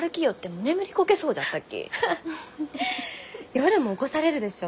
夜も起こされるでしょ？